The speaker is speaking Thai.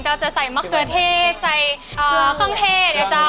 เจ้าจะใส่มะเขือเทศใส่ข้างเทศเจ้า